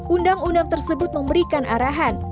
undang undang tersebut memberikan arahan